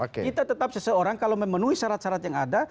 kita tetap seseorang kalau memenuhi syarat syarat yang ada